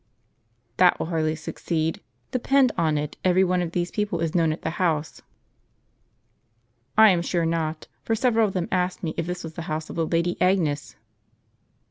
" That will hardly succeed ; depend upon it every one of these people is known at the house." " I am sure not, for several of them asked me if this was the house of the Lady Agnes."